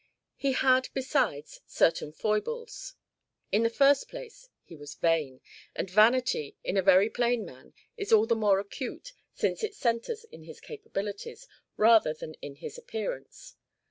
He had, besides, certain foibles. In the first place, he was vain, and vanity in a very plain man is all the more acute since it centres in his capabilities, rather than in his appearance.